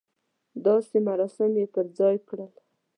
داسې مراسم یې پر ځای کړل.